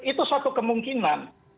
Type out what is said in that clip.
itu satu kemungkinan